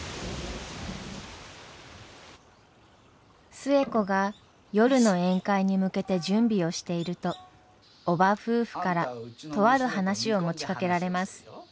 寿恵子が夜の宴会に向けて準備をしていると叔母夫婦からとある話を持ちかけられます。